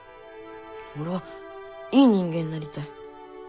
俺はいい人間になりたい。